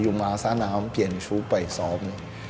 อยู่มาสนามเปลี่ยนชุดไปซ้อม